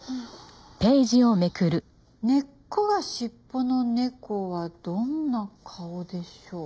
「根っこがしっぽの猫はどんな顔でしょう？」